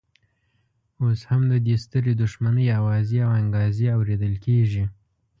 اوس هم د دې سترې دښمنۍ اوازې او انګازې اورېدل کېږي.